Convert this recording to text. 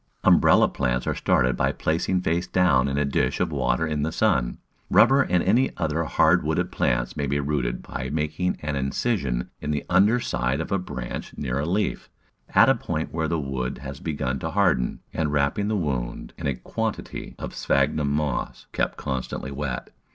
Umbrella plants are started by placing face down in a dish of water in the sun. Rubber and any other hard wooded plants may be rooted by making an incision in the under side of a branch near a leaf, at a point where the wood ha$ begun to harden, and wrapping the wound in a quan tity of sphagnum moss, kept constantly wet.